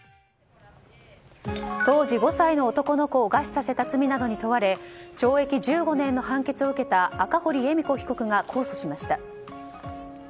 当時５歳の男の子を餓死させた罪などに問われ懲役１５年の判決を受けた赤堀恵美子被告が控訴しました。